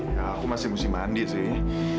ya aku masih mesti mandi sih